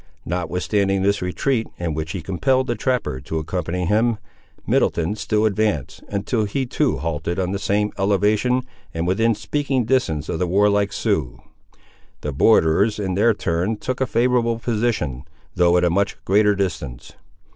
Notwithstanding this retreat, in which he compelled the trapper to accompany him, Middleton still advanced, until he too halted on the same elevation, and within speaking distance of the warlike Siouxes. The borderers in their turn took a favourable position, though at a much greater distance.